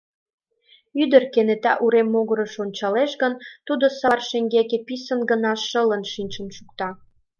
Ӱдыр кенета урем могырыш ончалеш гын, тудо савар шеҥгеке писын гына шылын шинчын шукта.